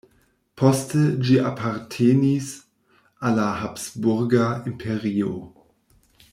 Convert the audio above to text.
Poste ĝi apartenis al la Habsburga Imperio.